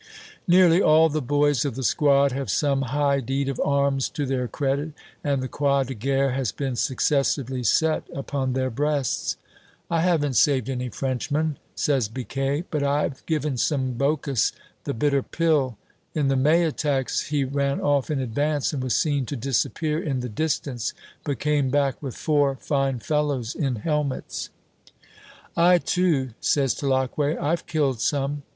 Nearly all the boys of the squad have some high deed of arms to their credit, and the Croix de Guerre has been successively set upon their breasts. "I haven't saved any Frenchmen," says Biquet, "but I've given some Boches the bitter pill." In the May attacks, he ran off in advance and was seen to disappear in the distance, but came back with four fine fellows in helmets. "I, too," says Tulacque, "I've killed some."